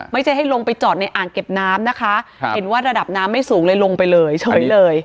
ไม่ใช่ให้ลงไปจอดในอ่างเก็บน้ำนะคะเห็นว่าระดับน้ำไม่สูงเลยลงไปเลยเฉยเลย